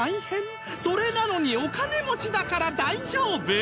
それなのにお金持ちだから大丈夫？